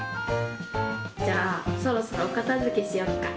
じゃあそろそろおかたづけしよっか。